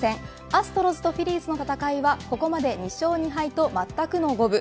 アストロズとフィリーズの戦いはここまで２勝２敗とまったくの五分。